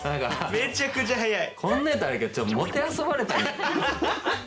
めちゃくちゃ早い。